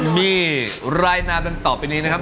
มีรายนามดังตอบเป็นนี้นะครับ